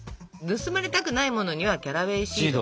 盗まれたくないものにはキャラウェイシード。